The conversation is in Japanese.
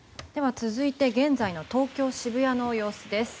続いて、現在の東京・渋谷の様子です。